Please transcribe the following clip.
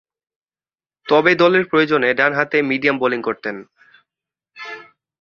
তবে দলের প্রয়োজনে ডানহাতে মিডিয়াম বোলিং করতেন।